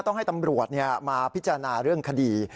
ต้องให้ตำรวจมาพิจารณาเรื่องคดี